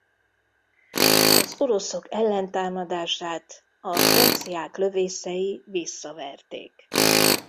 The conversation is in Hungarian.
Az oroszok ellentámadását a franciák lövészei visszaverték.